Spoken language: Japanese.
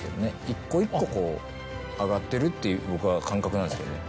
一個一個こう上がってるっていう僕は感覚なんですけどね。